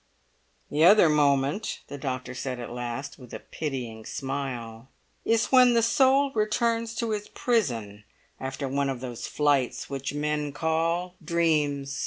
"The other moment," the doctor said at last, with a pitying smile, "is when the soul returns to its prison after one of those flights which men call dreams.